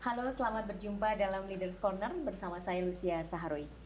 halo selamat berjumpa dalam ⁇ leaders ⁇ corner bersama saya lucia saharuy